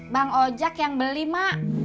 bang ojek yang beli mak